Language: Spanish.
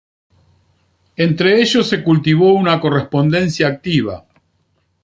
Entre ellos se cultivó una correspondencia activa.